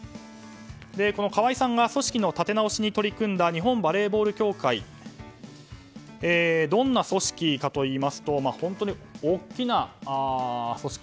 この川合さんが組織の立て直しに取り組んだ日本バレーボール協会がどんな組織かといいますと本当に大きな組織。